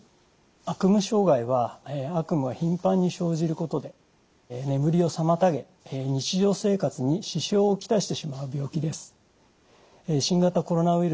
悪夢障害は悪夢がひんぱんに生じることで眠りを妨げ日常生活に支障を来してしまう病気です。